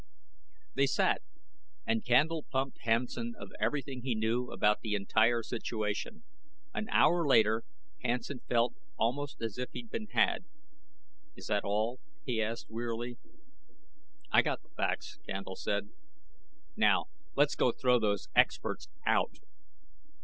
They sat and Candle pumped Hansen of everything he knew about the entire situation. An hour later, Hansen felt almost as if he had been had. "Is that all?" he asked, wearily. "I got the facts," Candle said. "Now let's go throw those experts out."